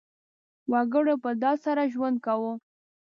وګړو په ډاډ سره ژوند کاوه.